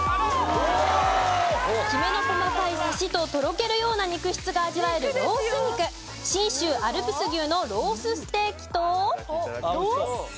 きめの細かいサシととろけるような肉質が味わえるロース肉信州アルプス牛のロースステーキと。